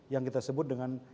yang kita sebut dengan